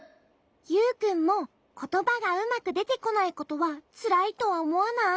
ユウくんもことばがうまくでてこないことはつらいとはおもわない？